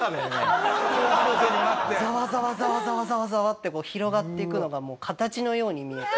ざわざわざわざわざわざわって広がっていくのが形のように見えて。